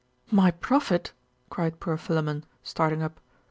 'My profit?' cried poor Philammon, starting up.